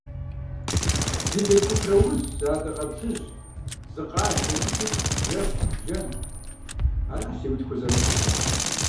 Зы джэд купрауз, сы адакъэплъыжь, зы къаз, гуэгушитӏ, жэм, бжэн, аращ си мылъкур зэрыхъур.